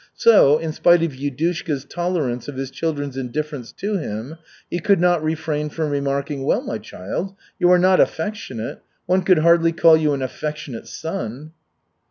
So, in spite of Yudushka's tolerance of his children's indifference to him, he could not refrain from remarking: "Well, my child, you are not affectionate. One could hardly call you an affectionate son!"